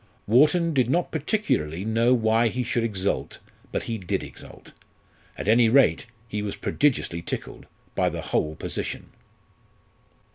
Wharton did not particularly know why he should exult; but he did exult. At any rate, he was prodigiously tickled by the whole position.